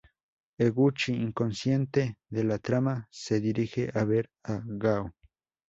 Eguchi, inconsciente de la trama, se dirige a ver a Gao.